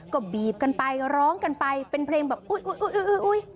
ก็บีบกันไปร้องกันไปเป็นเพลงแบบอุ๊ย